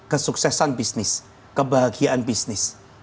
kesuksesan bisnis kebahagiaan bisnis